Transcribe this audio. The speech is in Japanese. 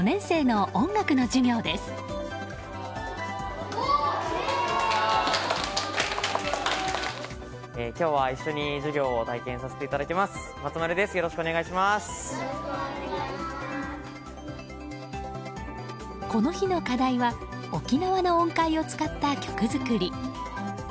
この日の課題は沖縄の音階を使った曲作り。